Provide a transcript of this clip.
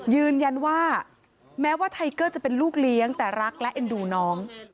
ยืนยันว่าแม้ว่าไทเกอร์จะเป็นลูกเลี้ยงแต่รักและเอ็นดูน้อง